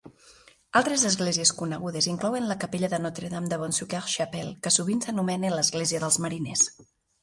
Altres esglésies conegudes inclouen la capella de Notre-Dame-de-Bon-Secours Chapel, que sovint s'anomena l'església dels mariners.